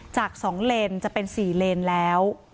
จาก๒เลนจะเป็น๔เลนแล้ว